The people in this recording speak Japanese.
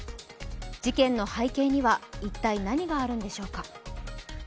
事件の背景には一体何があるんでしょうか。